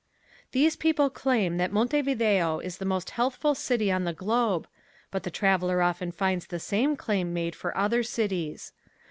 These people claim that Montevideo is the most healthful city on the globe, but the traveler often finds the same claim made for other cities.